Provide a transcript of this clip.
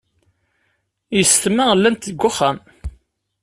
Yessetma llant deg wexxam.